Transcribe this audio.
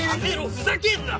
ふざけんな！